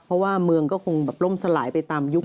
เพราะว่าเมืองก็คงแบบล่มสลายไปตามยุค